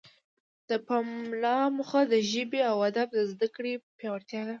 د پملا موخه د ژبې او ادب د زده کړې پیاوړتیا ده.